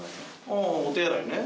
ああお手洗いね。